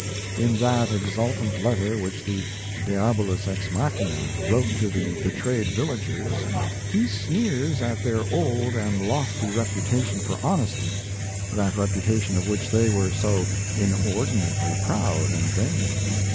In that exultant letter which the Diabolus ex machina wrote to the betrayed villagers, he sneers at their old and lofty reputation for honesty that reputation of which they were so inordinately proud and vain.